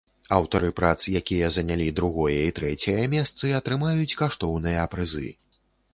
Аўтары прац, якія занялі другое і трэцяе месцы, атрымаюць каштоўныя прызы.